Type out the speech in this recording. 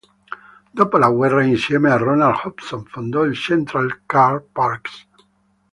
Dopo la guerra, insieme a Ronald Hobson, fondò il Central Car Parks.